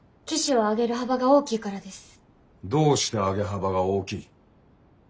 どうして上げ幅が大きい。